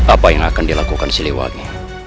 apa yang akan dilakukan siliwangi